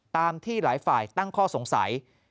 ตามที่หลายฝ่ายตั้งข้อสงสัย